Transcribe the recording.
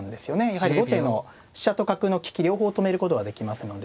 やはり後手の飛車と角の利き両方止めることができますので。